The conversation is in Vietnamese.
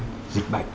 trong cuộc đấu tranh